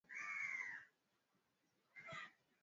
baada ya kushambuliwa na Japani na kupokea